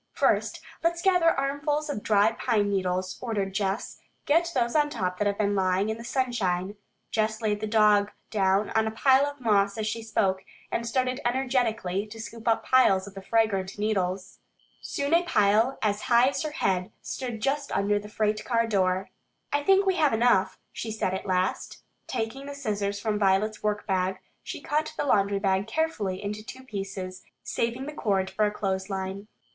"First, let's gather armfuls of dry pine needles," ordered Jess. "Get those on top that have been lying in the sunshine." Jess laid the dog down on a bed of moss as she spoke, and started energetically to scoop up piles of the fragrant needles. Soon a pile as high as her head stood just under the freight car door. "I think we have enough," she said at last. Taking the scissors from Violet's workbag, she cut the laundry bag carefully into two pieces, saving the cord for a clothesline.